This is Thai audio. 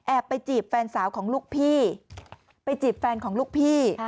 ไปจีบแฟนสาวของลูกพี่ไปจีบแฟนของลูกพี่